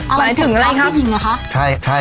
อ๋ออะไรถึงล้ำพริกหญิงอ่ะคะ